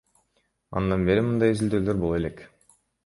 Андан бери мындай изилдөөлөр боло элек.